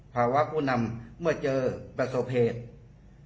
ภาวะผู้นำเมื่อเจอประสบเหตุอ่า